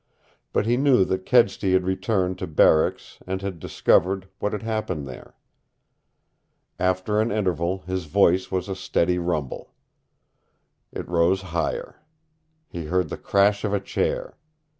But he knew that Kedsty had returned to barracks and had discovered what had happened there. After an interval his voice was a steady rumble. It rose higher. He heard the crash of a chair.